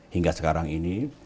hingga sekarang ini